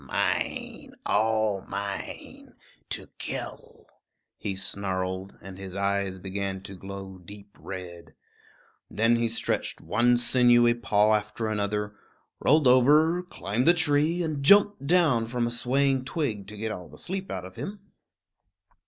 "Mine, all mine to kill," he snarled, and his eyes began to glow deep red. Then he stretched one sinewy paw after another, rolled over, climbed a tree, and jumped down from a swaying twig to get the sleep all out of him.